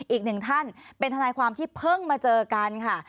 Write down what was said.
อีกหนึ่งท่านเป็นทนายความที่เพิ่งมาเจอกันค่ะ